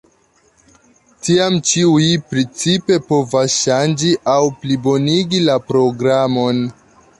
Tiam ĉiuj principe povas ŝanĝi aŭ plibonigi la programon.